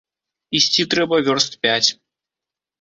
Ісці трэба вёрст пяць.